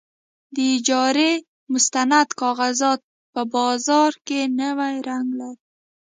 د اجارې مستند کاغذات په بازار کې نوی رنګ لري.